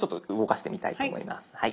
はい。